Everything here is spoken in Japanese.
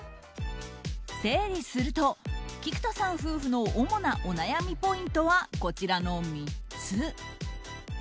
整理すると、菊田さん夫婦の主なお悩みポイントはこちらの３つ。